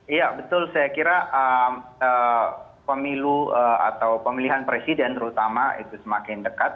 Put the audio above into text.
iya betul saya kira pemilu atau pemilihan presiden terutama itu semakin dekat